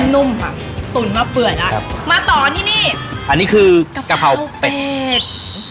นุ่มค่ะตุ๋นมาเปื่อยแล้วครับมาต่อที่นี่อันนี้คือกะเพราเป็ด